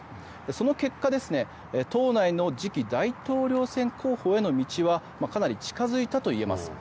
その結果、党内の次期大統領選候補への道はかなり近づいたといえます。